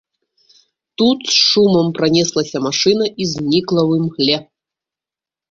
Тут з шумам пранеслася машына і знікла ў імгле.